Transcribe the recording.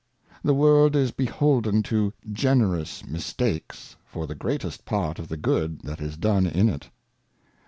The Wo'rid iTbeholden to generous Mistakes for the greatest Part of the Good that is done in it.